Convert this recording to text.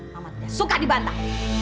mama tuh udah suka dibantah